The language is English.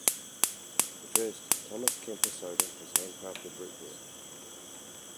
The first Thomas Kemper Soda was handcrafted Root Beer.